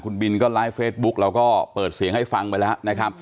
คุณบินก็ไลฟ์เฟซบุ๊กเราก็เปิดเสียงให้ฟังไปแล้วนะครับ